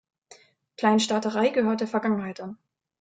Kleinstaaterei gehört der Vergangenheit an.